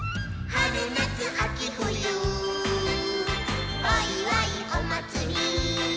「はるなつあきふゆおいわいおまつり」